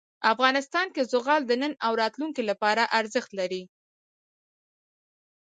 افغانستان کې زغال د نن او راتلونکي لپاره ارزښت لري.